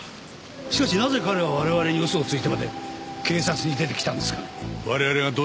しかしなぜ彼は我々に嘘をついてまで警察に出てきたんですかね？